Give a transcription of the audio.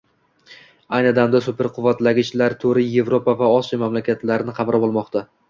Ayni damda «Superquvvatlagichlar» to‘ri Yevropa va Osiyo mamlakatlarini qamrab olmoqda.